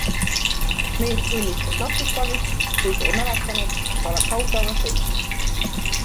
Mees tunnistas napsutamist, kuid ei mäletanud, et oleks autoga sõitnud.